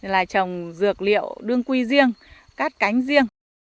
là trồng dược liệu đương quy riêng cát cánh riêng